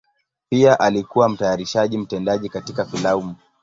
Pia alikuwa mtayarishaji mtendaji katika filamu.